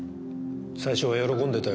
最初は喜んでたよ